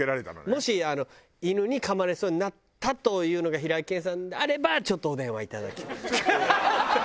もし犬にかまれそうになったというのが平井堅さんであればちょっとお電話いただきハハハハ！